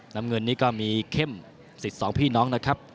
น้ำเงินนี้ก็มีเข้มสิทธิ์สองพี่น้องนะครับ